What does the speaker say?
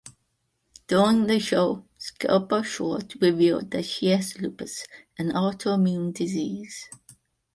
During the show, Scelba-Shorte revealed that she has lupus, an autoimmune disease.